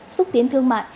xúc tiến thương mại